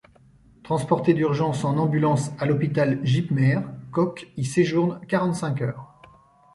Transporté d'urgence en ambulance à l'hôpital Jipmer, Cocke y séjourne quarante-cinq heures.